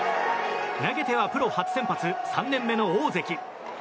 投げてはプロ初先発３年目の大関。